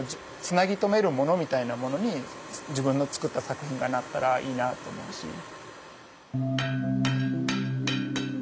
つなぎ止めるものみたいなものに自分の作った作品がなったらいいなと思うし。